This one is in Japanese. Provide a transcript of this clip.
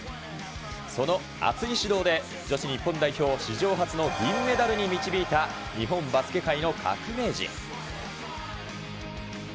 その熱い指導で、女子日本代表を史上初の銀メダルに導いた、日本バスケ界の革命児。